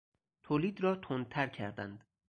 تولید را تندتر کردند.